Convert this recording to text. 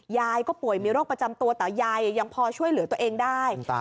ยายก็ป่วยมีโรคประจำตัวแต่ยายยังพอช่วยเหลือตัวเองได้